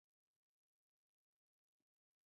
بل سکلیټ د نهه کلنې یا لس کلنې نجلۍ و.